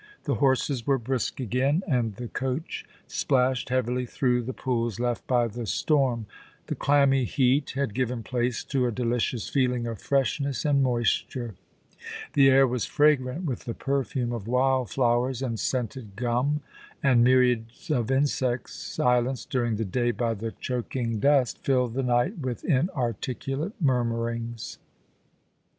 The horses were brisk again, and the coach splashed heavily through the pools left by the storm ; the clammy heat had given place to a delicious feeling of freshness and moisture ; the air was fragrant with the perfume of wild flowers and scented gum ; and myriads of insects, silenced during the day by the choking dust, filled the night with inarticulate murmurings.